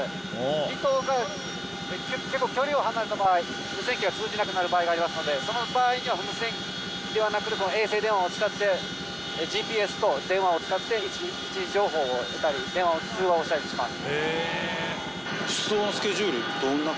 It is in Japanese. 離島から結構距離を離れた場合無線機が通じなくなる場合がありますのでその場合には。を使ってＧＰＳと電話を使って位置情報を得たり通話をしたりします。